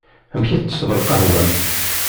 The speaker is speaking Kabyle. Amek i tsesseḍ lqahwa-m?